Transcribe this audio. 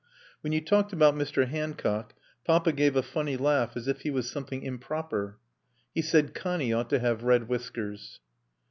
When you talked about Mr. Hancock, Papa gave a funny laugh as if he was something improper. He said Connie ought to have red whiskers.